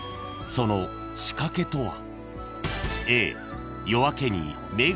その仕掛けとは？］